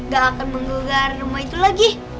gak akan menggugar rumah itu lagi